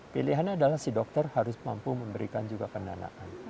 pilihannya adalah si dokter harus mampu memberikan juga pendanaan